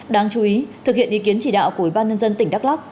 đáng chú ý thực hiện ý kiến chỉ đạo của ủy ban nhân dân tỉnh đắk lắc